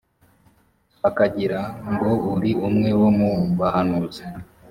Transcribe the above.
bakagira ngo uri umwe wo mu bahanuzi